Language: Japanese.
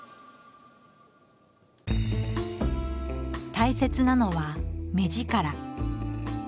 大切なのは目力。